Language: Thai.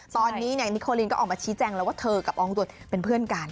ตอนนี้นิโคลินก็ออกมาชี้แจงแล้วว่าเธอกับอองตัวเป็นเพื่อนกัน